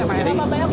oh sudah sudah jadi